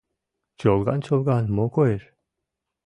Чолган-чолган мо коеш?